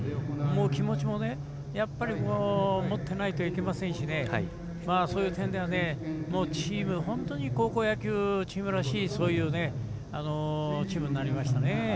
気持ちも持ってないといけませんしそういう点では、本当に高校野球チームらしいチームになりました。